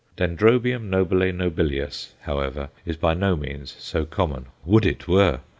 D. nobile nobilius, however, is by no means so common would it were!